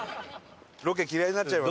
ロケ嫌いになっちゃいます。